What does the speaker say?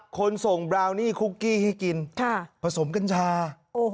คนส่งบราวนี่คุกกี้ให้กินค่ะผสมกัญชาโอ้โห